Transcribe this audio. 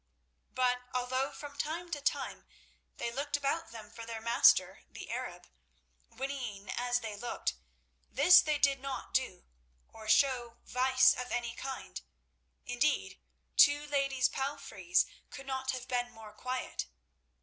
But although from time to time they looked about them for their master, the Arab, whinnying as they looked, this they did not do, or show vice of any kind; indeed, two Iadies' palfreys could not have been more quiet.